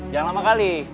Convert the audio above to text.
jangan lama kali